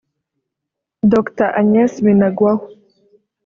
Dr Agnes Binagwaho